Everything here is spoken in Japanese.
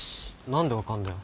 何で分かるんだよ。